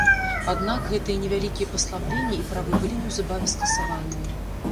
Аднак, гэтыя невялікія паслабленні і правы былі неўзабаве скасаваныя.